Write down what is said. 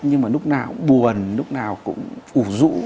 nhưng mà lúc nào cũng buồn lúc nào cũng ủ rũ